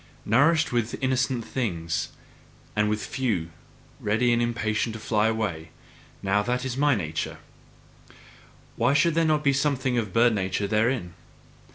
Nourished with innocent things, and with few, ready and impatient to fly, to fly away that is now my nature: why should there not be something of bird nature therein!